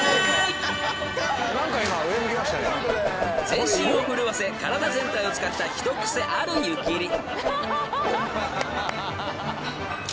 ［全身を震わせ体全体を使った一癖ある湯切り］